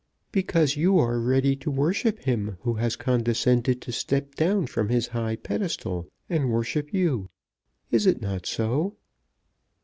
"Because you are ready to worship him who has condescended to step down from his high pedestal and worship you. Is it not so?"